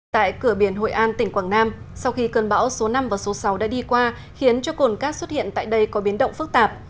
tại cửa biển hội an tỉnh quảng nam sau khi cơn bão số năm và số sáu đã đi qua khiến cho cồn cát xuất hiện tại đây có biến động phức tạp